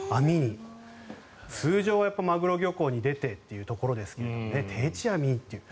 通常はマグロ漁に出てというところですが定置網にと。